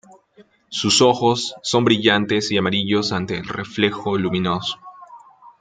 Sus ojos son brillantes y amarillos ante el reflejo luminoso.